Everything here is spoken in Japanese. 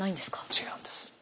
違うんです。